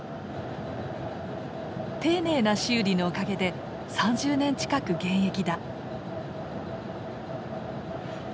丁寧な修理のおかげで３０年近く現役だ。